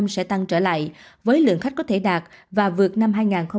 sẽ tăng trở lại với lượng khách có thể đạt và vượt năm hai nghìn một mươi chín